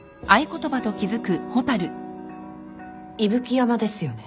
伊吹山ですよね。